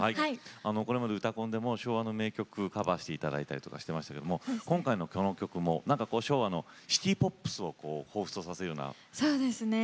これまで「うたコン」でも昭和の名曲カバーしていただいたりとかしてましたけども今回のこの曲もなんかこう昭和のシティポップスをほうふつとさせるようなそうですね。